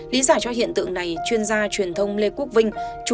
lý giải cho hiện tượng này chuyên gia truyền thông lê quốc vinh